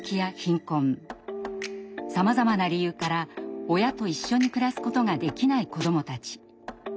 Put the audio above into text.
さまざまな理由から親と一緒に暮らすことができない子どもたち。